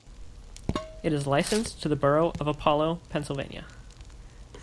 It is licensed to the borough of Apollo, Pennsylvania.